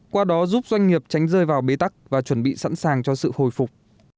qua đó giúp doanh nghiệp tránh rơi vào bế tắc và chuẩn bị sẵn sàng cho sự hồi phục